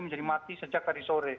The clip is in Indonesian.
menjadi mati sejak tadi sore